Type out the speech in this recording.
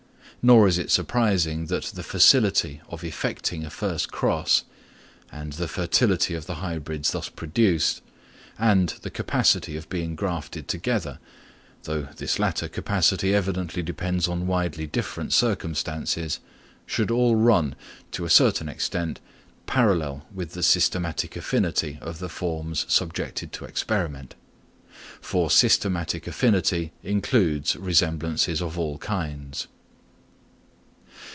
Nor is it surprising that the facility of effecting a first cross, and the fertility of the hybrids thus produced, and the capacity of being grafted together—though this latter capacity evidently depends on widely different circumstances—should all run, to a certain extent, parallel with the systematic affinity of the forms subjected to experiment; for systematic affinity includes resemblances of all kinds.